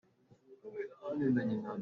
Leng an i kah.